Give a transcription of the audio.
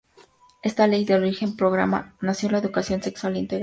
Esta ley da origen al Programa Nacional de Educación Sexual Integral.